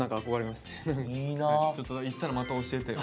ちょっと行ったらまた教えてよ。